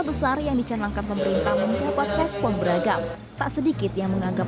besar yang dicanangkan pemerintah mendapat respon beragam tak sedikit yang menganggap